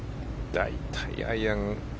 大体、アイアン。